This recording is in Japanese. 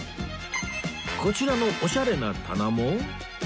こちらのオシャレな棚も